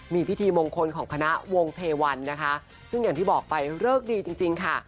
มีพิธีมงคลของคณะวงเทวันนะคะซึ่งอย่างที่บอกไปเลิกดีจริงจริงค่ะ